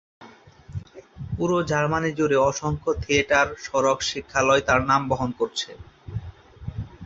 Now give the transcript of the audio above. পুরো জার্মানি জুড়ে অসংখ্য থিয়েটার সড়ক শিক্ষালয় তার নাম বহন করছে।